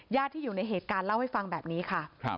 ที่อยู่ในเหตุการณ์เล่าให้ฟังแบบนี้ค่ะ